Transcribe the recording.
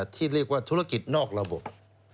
ที่เรียกว่าธุรกิจนอกระบบ